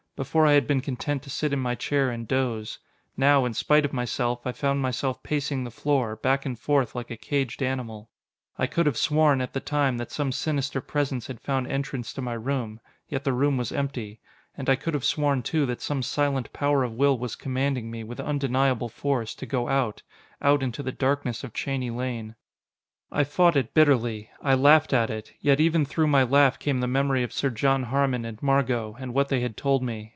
Before I had been content to sit in my chair and doze. Now, in spite of myself, I found myself pacing the floor, back and forth like a caged animal. I could have sworn, at the time, that some sinister presence had found entrance to my room. Yet the room was empty. And I could have sworn, too, that some silent power of will was commanding me, with undeniable force, to go out out into the darkness of Cheney Lane. I fought it bitterly. I laughed at it, yet even through my laugh came the memory of Sir John Harmon and Margot, and what they had told me.